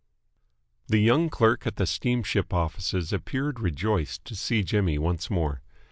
The young clerk at the steamship offices appeared rejoiced to see Jimmy once more.